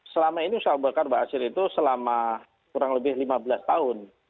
selama ini ustadz abu bakar basir itu selama kurang lebih lima belas tahun